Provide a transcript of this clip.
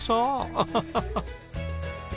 アハハハ。